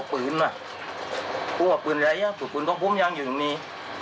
พูดว่าพื้นอะไรพูดว่าพื้นต้องพุ่มยังอยู่ตรงนี้